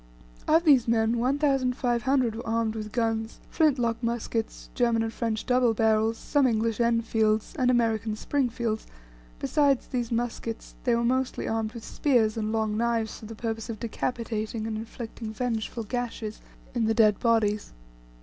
Of these men 1,500 were armed with guns flint lock muskets, German and French double barrels, some English Enfields, and American Springfields besides these muskets, they were mostly armed with spears and long knives for the purpose of decapitating, and inflicting vengeful gashes in the dead bodies.